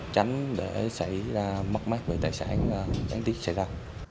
tránh để xảy ra mất mát về tài sản đáng tiếc xảy ra